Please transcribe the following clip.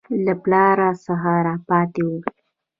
له پلاره څه راپاته وو.